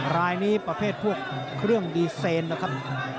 รายนี้ประเภทพวกเครื่องดีเซนนะครับ